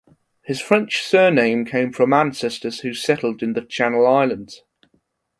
His French surname came from ancestors who settled in the Channel Islands.